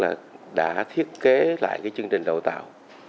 và đã thiết kế lại chương trình đào tạo